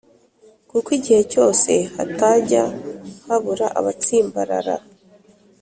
Kuko igihe cyose hatajya habura abatsimbarara